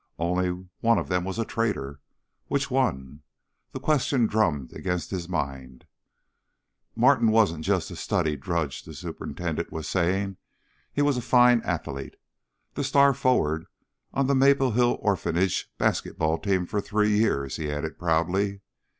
Only one of them was a traitor. Which one? The question drummed against his mind. "Martin wasn't just a study drudge," the superintendent was saying. "He was a fine athlete. The star forward of the Maple Hill Orphanage basketball team for three years," he added proudly.